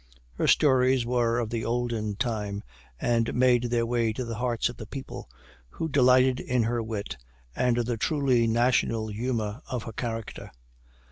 Her stories were of the olden time, and made their way to the hearts of the people, who delighted in her wit and the truly national humor of her character.